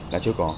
là chưa có